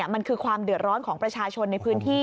มันคือความเดือดร้อนของประชาชนในพื้นที่